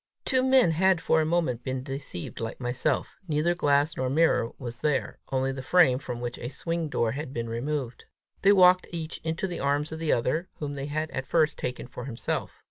Two men had for a moment been deceived like myself: neither glass nor mirror was there only the frame from which a swing door had been removed. They walked each into the arms of the other, whom they had at first each taken for himself.